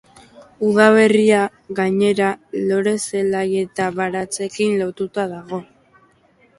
Udaberria, gainera, lore, zelai eta baratzeekin lotuta dago.